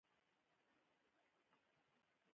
په راتلونکي درسي ساعت کې دې نورو ته ووايي.